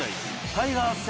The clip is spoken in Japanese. タイガース戦の。